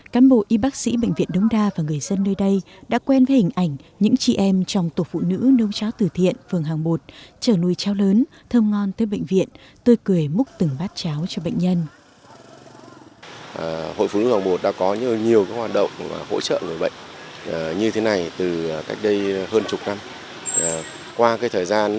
cán bộ y bác sĩ bệnh viện đông đa và người dân nơi đây đã quen với hình ảnh những chị em trong tổ phụ nữ nông cháo từ thiện phường hàng bột trở nuôi cháo lớn thơm ngon tới bệnh nhân